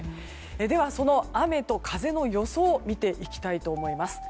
では、雨と風の予想を見ていきたいと思います。